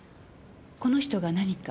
この人が何か？